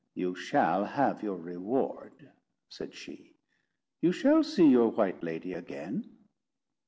"You shall have your reward," said she. "You shall see your white lady again."